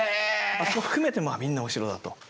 あそこ含めてみんなお城だと。